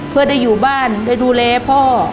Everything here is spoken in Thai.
เพื่อได้อยู่บ้านได้ดูแลพ่อ